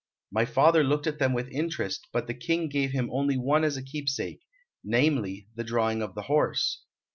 My father looked at them with interest, but the King gave him only one as a keepsake, namely, the drawing of the horse."